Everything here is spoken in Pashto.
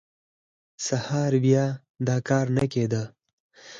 سهار بیا دا کار نه کېده.